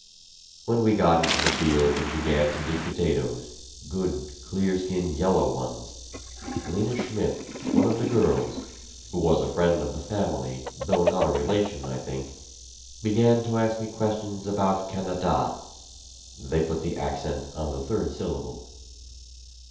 When we got into the field and began to dig potatoes, good, clear skinned yellow ones, Lena Schmidt, one of the girls, who was a friend of the family, though not a relation, I think, began to ask me questions about Canada (they put the accent on the third syllable).